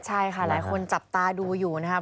ใช่ค่ะหลายคนจับตาดูอยู่นะครับ